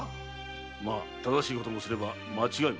正しいこともすれば間違いもする。